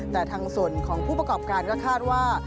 แต่ทางส่วนของผู้ประกอบการก็คาดว่า